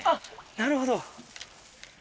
なるほど。